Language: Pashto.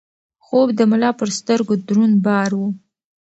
خوب د ملا پر سترګو دروند بار و.